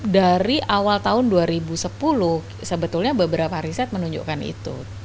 dari awal tahun dua ribu sepuluh sebetulnya beberapa riset menunjukkan itu